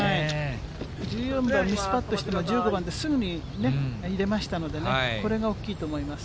１４番、ミスパットしたので、１５番ですぐにね、入れましたのでね、これが大きいと思います。